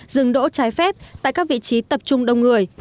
dừng đỗ trái phép tại các vị trí tập trung đông người